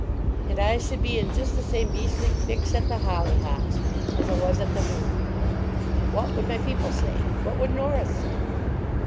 And I should be in just the same beastly fix at the "Hollyhocks" as I was at the "Moon." What would my people say? What would Norah say?